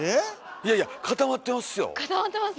いやいや固まってます。